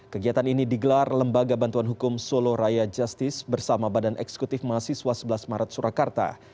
kegiatan ini digelar lembaga bantuan hukum solo raya justice bersama badan eksekutif mahasiswa sebelas maret surakarta